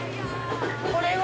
これは？